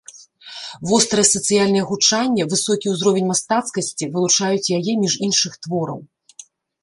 Вострае сацыяльнае гучанне, высокі ўзровень мастацкасці вылучаюць яе між іншых твораў.